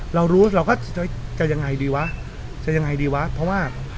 เรารู้เราก็จะยังไงดีวะจะยังไงดีวะเพราะว่า